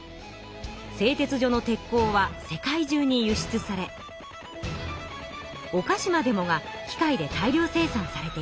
製鉄所の鉄鋼は世界中に輸出されおかしまでもが機械で大量生産されていました。